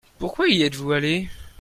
Pourquoi y êtes-vous allé ?